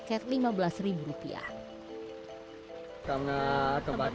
kalau sekarang lebih jauh lebih ekstrim